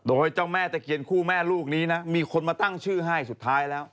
โดยเจ้าแม่ตะเคียนคู่แม่ลูกนี้นะมีคนมาตั้งชื่อให้สุดท้ายแล้ว